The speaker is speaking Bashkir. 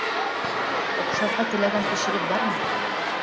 Оҡшарға теләгән кешегеҙ бармы?